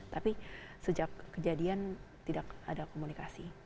tapi sejak kejadian tidak ada komunikasi